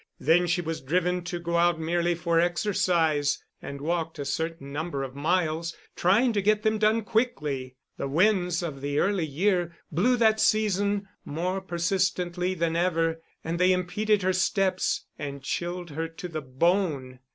Then she was driven to go out merely for exercise, and walked a certain number of miles, trying to get them done quickly. The winds of the early year blew that season more persistently than ever, and they impeded her steps, and chilled her to the bone.